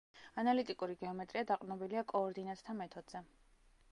ანალიტიკური გეომეტრია დაყრდნობილია კოორდინატთა მეთოდზე.